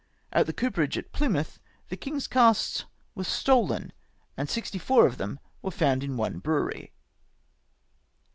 At the cooperage at Plymouth, the king's casks were stolen, and sixty four of them were found in one brewery."